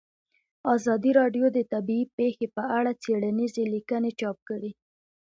ازادي راډیو د طبیعي پېښې په اړه څېړنیزې لیکنې چاپ کړي.